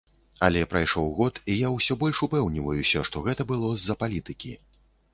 Але прайшоў год, і я ўсё больш упэўніваюся, што гэта было з-за палітыкі.